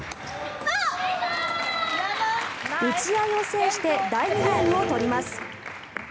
打ち合いを制して第２ゲームを取ります。